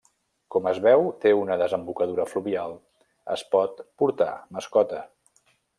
Com es veu, té una desembocadura fluvial, es pot portar mascota.